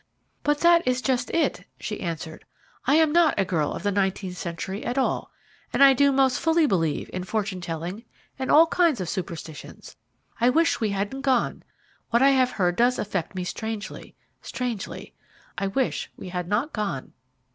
"But that is just it," she answered; "I am not a girl of the nineteenth century at all, and I do most fully believe in fortune telling and all kinds of superstitions. I wish we hadn't gone. What I have heard does affect me strangely, strangely. I wish we had not gone."